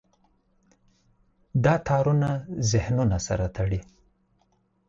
دا تارونه ذهنونه سره تړي.